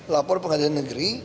lapor pengajaran negeri